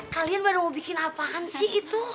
kalian baru mau bikin apaan sih gitu